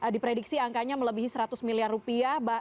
diprediksi angkanya melebihi seratus miliar rupiah